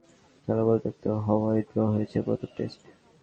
চট্টগ্রামে বৃষ্টিতে শেষ দুই দিনের খেলা পরিত্যক্ত হওয়ায় ড্র হয়েছে প্রথম টেস্ট।